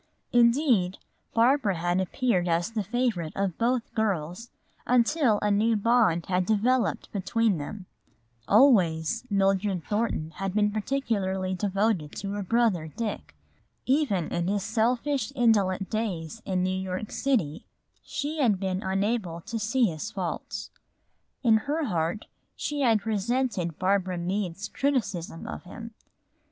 Indeed, Barbara had appeared as the favorite of both girls, until a new bond had developed between them. Always Mildred Thornton had been peculiarly devoted to her brother, Dick. Even in his selfish, indolent days in New York City she had been unable to see his faults. In her heart she had resented Barbara Meade's criticism of him.